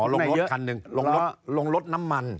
อ๋อลงรถคันหนึ่งลงรถน้ำมัน